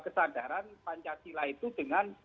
kesadaran pancasila itu dengan